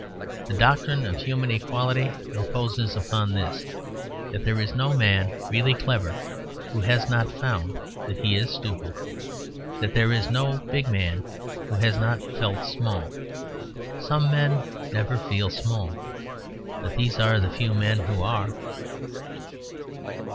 The doctrine of human equality reposes upon this: That there is no man really clever who has not found that he is stupid. That there is no big man who has not felt small. Some men never feel small; but these are the few men who are.